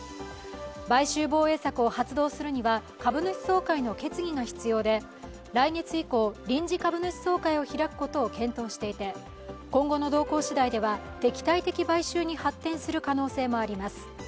買収防衛策を発動するには株主総会の決議が必要で来月以降、臨時株主総会を開くことを検討していて今後の動向次第では、敵対的買収に発展する可能性もあります。